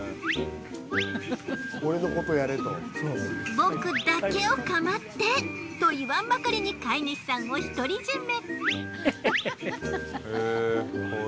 僕だけを構って！といわんばかりに飼い主さんを独り占め。